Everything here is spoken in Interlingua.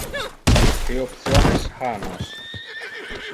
Que optiones ha nos?